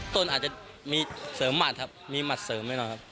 ต้นอาจจะมีเสริมหมัดครับมีหมัดเสริมแน่นอนครับ